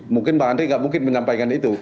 mungkin pak andri gak mungkin menyampaikan itu